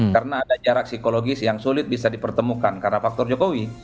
karena ada jarak psikologis yang sulit bisa dipertemukan karena faktor jokowi